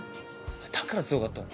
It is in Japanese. だから強かったの。